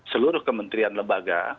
seluruh kementerian lembaga